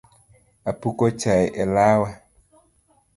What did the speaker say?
Apuko chai e lawa